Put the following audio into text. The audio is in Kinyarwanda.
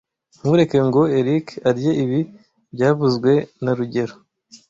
Ntureke ngo Eric arye ibi byavuzwe na rugero